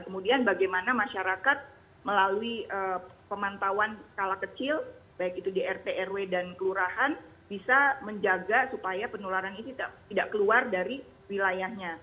kemudian bagaimana masyarakat melalui pemantauan skala kecil baik itu di rt rw dan kelurahan bisa menjaga supaya penularan ini tidak keluar dari wilayahnya